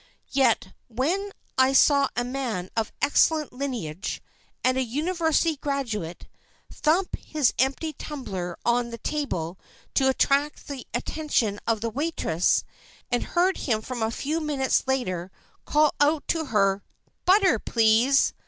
Yet, when I saw a man of excellent lineage, and a university graduate, thump his empty tumbler on the table to attract the attention of the waitress, and heard him a few minutes later call out to her "Butter—please!"